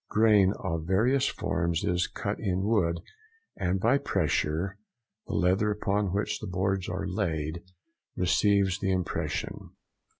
Grain of various form is cut in wood, and by pressure the leather upon which the boards are laid receives the impression.